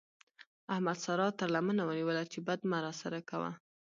احمد سارا تر لمنه ونيوله چې بد مه راسره کوه.